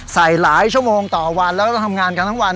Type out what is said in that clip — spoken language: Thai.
ใส่หลายชั่วโมงต่อวันแล้วก็ทำงานกันทั้งวัน